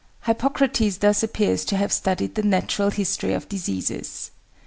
Hippocrates thus appears to have studied "the natural history of diseases."